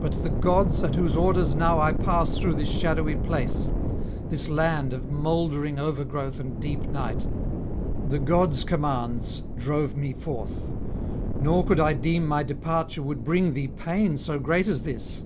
But the gods, at whose orders now I pass through this shadowy place, this land of mouldering overgrowth and deep night, the gods' commands drove me forth; nor could I deem my departure would bring thee pain so great as this.